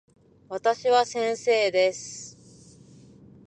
私は先生です。